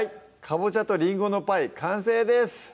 「かぼちゃとリンゴのパイ」完成です